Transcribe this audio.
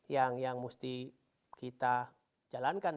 yang mesti kita jalankan